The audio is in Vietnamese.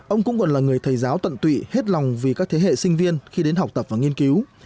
ông cũng còn là người thầy giáo tận tụy hết lòng vì các thế hệ sinh viên khi đến học tập và nghiên cứu